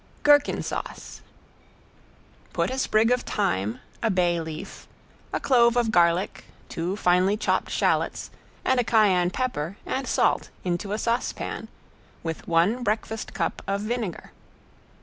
~GHERKIN SAUCE~ Put a sprig of thyme, a bay leaf, a clove of garlic, two finely chopped shallots, and a cayenne pepper, and salt into a saucepan, with one breakfast cup of vinegar.